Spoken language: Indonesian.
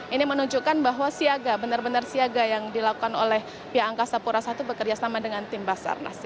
ini menunjukkan bahwa siaga benar benar siaga yang dilakukan oleh pihak angkasa pura i bekerjasama dengan tim basarnas